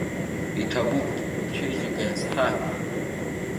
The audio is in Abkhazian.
Иҭабуп, учеиџьыка иазҳааит.